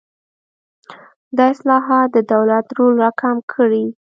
دا اصلاحات د دولت رول راکم کړي.